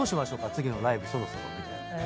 次のライブそろそろ」みたいな。